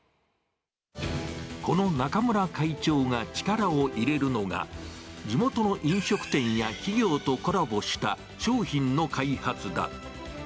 この中村会長が力を入れるのが、地元の飲食店や企業とコラボした商品の開発だ。